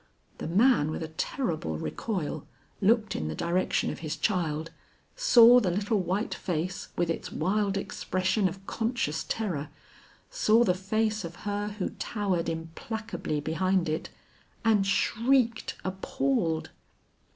The man with a terrible recoil, looked in the direction of his child, saw the little white face with its wild expression of conscious terror, saw the face of her who towered implacably behind it, and shrieked appalled.